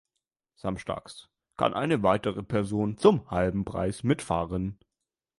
Samstags kann eine weitere Person zum halben Preis mitfahren.